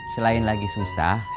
selain lagi susah